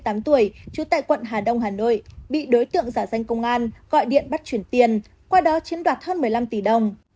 trú tại quận hà đông hà nội bị đối tượng giả danh công an gọi điện bắt chuyển tiền qua đó chiếm đoạt hơn một mươi năm tỷ đồng